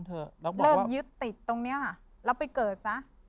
เริ่มยึดติดตรงนี้แล้วไปเกิดซะ